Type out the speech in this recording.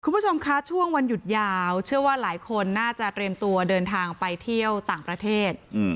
คุณผู้ชมคะช่วงวันหยุดยาวเชื่อว่าหลายคนน่าจะเตรียมตัวเดินทางไปเที่ยวต่างประเทศ